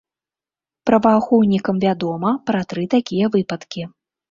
Праваахоўнікам вядома пра тры такія выпадкі.